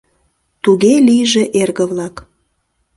Туге лийже, эрге-влак!